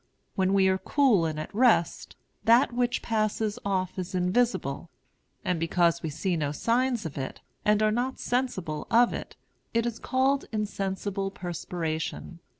When we are cool and at rest, that which passes off is invisible; and because we see no signs of it, and are not sensible of it, it is called insensible perspiration.